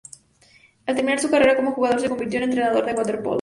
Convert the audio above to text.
Al terminar su carrera como jugador se convirtió en entrenador de waterpolo.